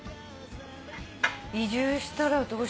移住したらどうしよう。